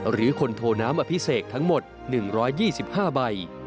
หรือคนโทน้ำอภิเษกทั้งหมด๑๒๕ใบ